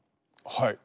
はい。